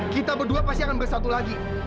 kita berdua pasti akan bersatu lagi